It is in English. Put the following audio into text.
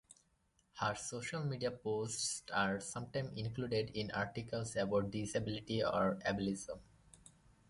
Her social media posts are sometimes included in articles about disability or ableism.